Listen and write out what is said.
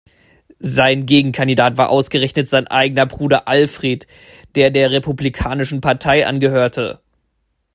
Sein Gegenkandidat war ausgerechnet sein eigener Bruder Alfred, der der Republikanischen Partei angehörte.